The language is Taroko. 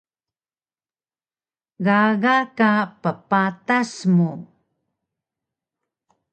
Gaga ka ppatas mu